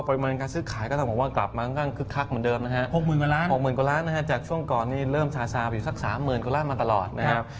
๖หมื่นกว่าล้านนะครับจากช่วงก่อนนี้เริ่มชาวอยู่สัก๓หมื่นกว่าล้านมาตลอดนะครับ